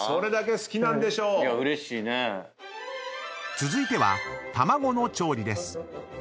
［続いては卵の調理です］